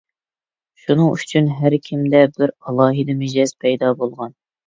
شۇنىڭ ئۈچۈن ھەر كىمدە بىر ئالاھىدە مىجەز پەيدا بولغان.